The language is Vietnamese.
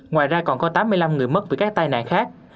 ngoài ra còn có tám mươi năm người mất vì các tai nạn khác